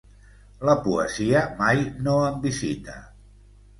La poesia mai no em visita.